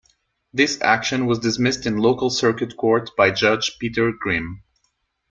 This action was dismissed in local circuit court by Judge Peter Grimm.